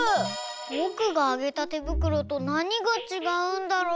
ぼくがあげたてぶくろとなにがちがうんだろう？